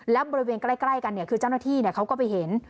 และบริเวณใกล้กันคือเจ้าหน้าที่เขาก็ไปเห็น